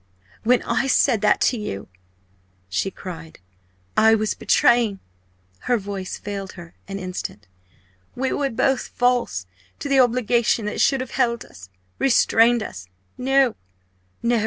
"When I said that to you," she cried, "I was betraying " her voice failed her an instant "we were both false to the obligation that should have held us restrained us. No! _no!